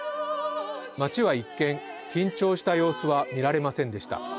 街は一見、緊張した様子は見られませんでした